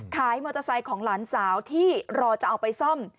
มอเตอร์ไซค์ของหลานสาวที่รอจะเอาไปซ่อม